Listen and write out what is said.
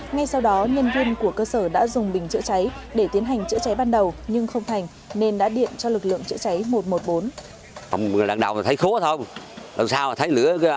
ngay sau đó nhân viên của cơ sở đã dùng bình chữa cháy để tiến hành chữa cháy ban đầu nhưng không thành nên đã điện cho lực lượng chữa cháy một trăm một mươi bốn